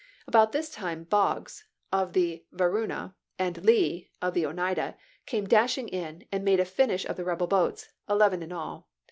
About this time Boggs [of the Varuna] and Lee^ [of the Oneida] came dashing in, and made a finish of the rebel boats — eleven in all."